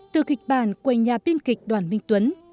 từ kịch bản của nhà biên kịch đoàn minh tuấn